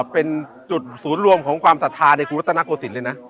เป็นจุดสูตรรวมของความศรัทธาในกุฤษนาโกสินต์เลยนะ